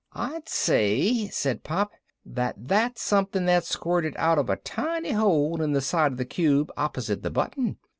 "I'd say," said Pop, "that that's something that squirted out of a tiny hole in the side of the cube opposite the button.